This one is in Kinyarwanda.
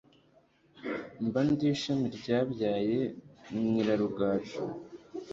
mba ndi ishami ryabyaye nyirarugaju